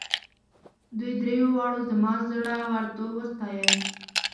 دوی دریو واړو زما زړه ورتوب وستایه.